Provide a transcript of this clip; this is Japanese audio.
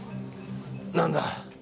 何だ？